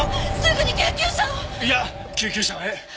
いや救急車はええ。